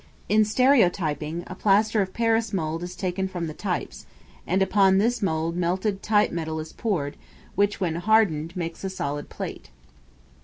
In stereotyping, a plaster of Paris mould is taken from the types, and upon this mould melted type metal is poured, which, when hardened, makes a solid plate.